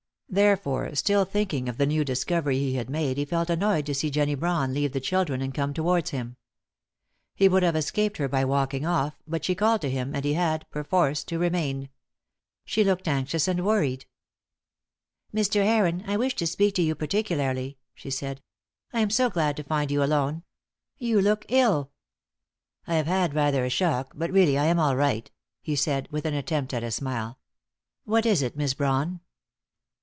Therefore, still thinking of the new discovery he had made he felt annoyed to see Jennie Brawn leave the children and come towards him. He would have escaped her by walking off, but she called to him, and he had, perforce, to remain. She looked anxious and worried. "Mr. Heron, I wish to speak to you particularly," she said. "I am so glad to find you alone. You look ill." "I have had rather a shock, but really I am all right," he said, with an attempt at a smile. "What is it, Miss Brawn?"